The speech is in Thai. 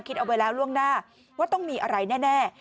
เอาไว้แล้วล่วงหน้าว่าต้องมีอะไรแน่